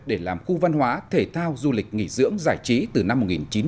để làm khu văn hóa thể thao du lịch nghỉ dưỡng giải trí từ năm một nghìn chín trăm chín mươi